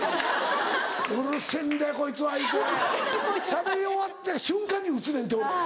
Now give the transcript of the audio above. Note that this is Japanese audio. しゃべり終わった瞬間に打つねんて俺。